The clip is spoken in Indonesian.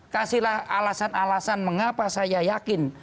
kasihlah alasan alasan mengapa saya yakin